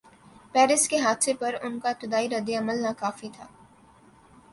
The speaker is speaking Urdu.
پیرس کے حادثے پر ان کا ابتدائی رد عمل ناکافی تھا۔